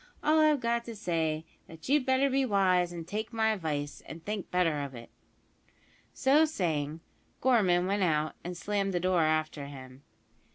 All I've got to say is, that you'd better be wise and take my advice, and think better of it." So saying, Gorman went out, and slammed the door after him.